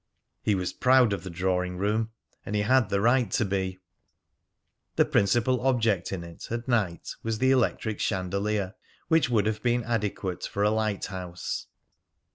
He was proud of the drawing room, and he had the right to be. The principal object in it, at night, was the electric chandelier, which would have been adequate for a lighthouse.